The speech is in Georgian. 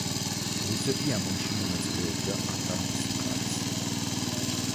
რუსეთი ამ ომში მონაწილეობდა ანტანტის მხარეს.